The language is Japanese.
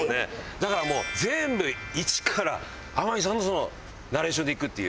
だからもう全部一から天海さんのナレーションでいくっていう。